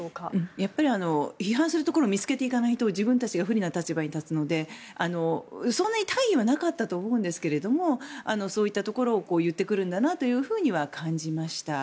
やっぱり批判するところを見つけていかないと自分たちが不利な立場に立つのでそんなに他意はなかったと思うんですけどもそういったところを言ってくるんだなというふうには感じました。